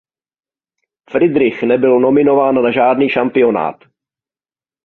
Friedrich nebyl nominován na žádný šampionát.